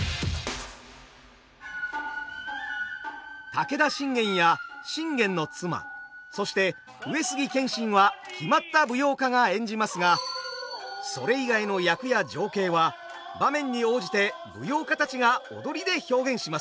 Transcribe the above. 武田信玄や信玄の妻そして上杉謙信は決まった舞踊家が演じますがそれ以外の役や情景は場面に応じて舞踊家たちが踊りで表現します。